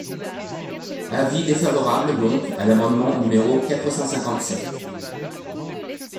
Avis défavorable donc à l’amendement numéro quatre cent cinquante-sept.